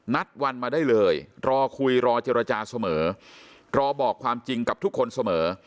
นัดวันมาได้เลยรอคุยรอเจรจาเสมอรอบอกความจริงกับทุกคนเสมอ